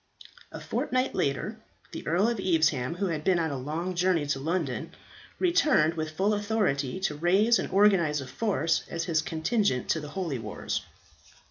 A fortnight later the Earl of Evesham, who had been on a long journey to London, returned with full authority to raise and organize a force as his contingent to the holy wars.